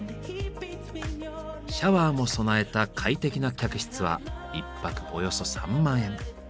シャワーも備えた快適な客室は１泊およそ３万円。